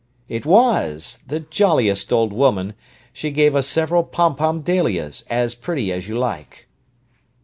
"It was! The jolliest old woman! She gave us several pom pom dahlias, as pretty as you like."